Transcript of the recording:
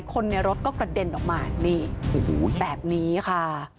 คนในรถก็กระเด็นออกมานี่แบบนี้ค่ะ